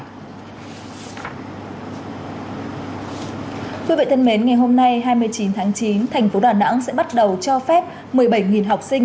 thưa quý vị thân mến ngày hôm nay hai mươi chín tháng chín thành phố đà nẵng sẽ bắt đầu cho phép một mươi bảy học sinh